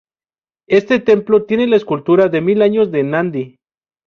Este templo tiene la escultura de mil años de Nandi.